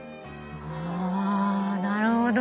あなるほどね。